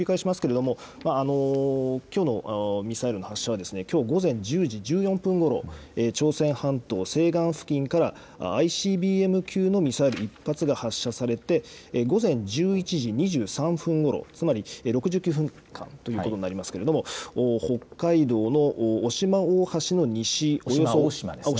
それを繰り返しますけれども、きょうのミサイルの発射は、きょう午前１０時１４分ごろ、朝鮮半島西岸付近からＩＣＢＭ級のミサイル１発が発射されて、午前１１時２３分ごろ、つまり６９分間ということになりますけれども、北海道の渡島大島の西